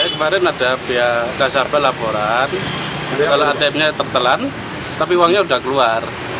ketika dikonsumsi kondisi atm nya sudah keluar